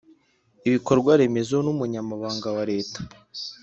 Ibikorwa Remezo n Umunyamabanga wa Leta